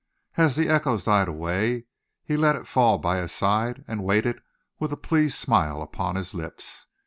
As the echoes died away, he let it fall by his side and waited with a pleased smile upon his lips.